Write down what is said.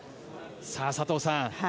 佐藤さん